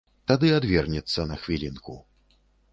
Тады адвернецца на хвілінку.